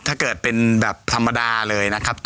ถ้าเกิดเป็นแบบธรรมดาเลยนะครับ